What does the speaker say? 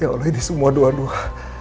ya allah ini semua doa doa